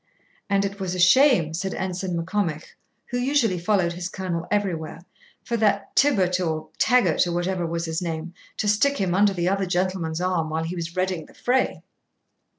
'And it was a shame,' said Ensign Maccombich, who usually followed his Colonel everywhere, 'for that Tibbert, or Taggart, or whatever was his name, to stick him under the other gentleman's arm while he was redding the fray.'